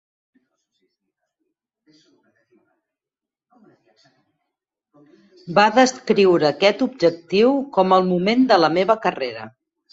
Va descriure aquest objectiu com "el moment de la meva carrera".